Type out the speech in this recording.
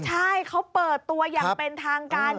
ใช่เขาเปิดตัวอย่างเป็นทางการ